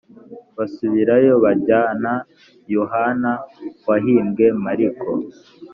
basubirayo bajyana yohana wahimbwe mariko